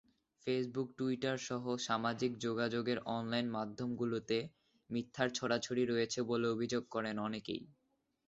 ফেসবুক-টুইটারসহ সামাজিক যোগাযোগের অনলাইন মাধ্যমগুলোতে মিথ্যার ছড়াছড়ি রয়েছে বলে অভিযোগ করেন অনেকেই।